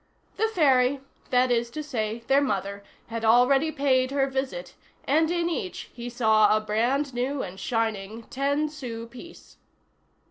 The fairy, that is to say, their mother, had already paid her visit, and in each he saw a brand new and shining ten sou piece.